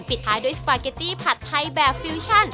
ปิดท้ายด้วยสปาเกตตี้ผัดไทยแบบฟิวชั่น